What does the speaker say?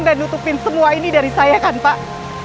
dan nutupin semua ini dari saya kan pak